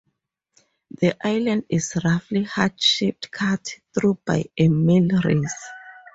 The island is roughly heart-shaped cut through by a millrace.